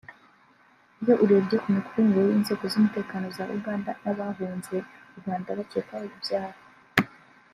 Iyo urebye ku mikoranire y’inzego z’umutekano za Uganda n’abahunze u Rwanda bakekwaho ibyaha